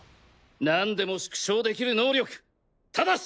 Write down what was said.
何でも縮小できる能力ただし！